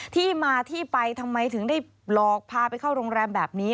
ที่มาที่ไปทำไมถึงได้หลอกพาไปเข้าโรงแรมแบบนี้